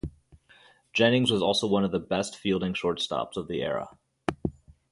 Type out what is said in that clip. Jennings was also one of the best fielding shortstops of the era.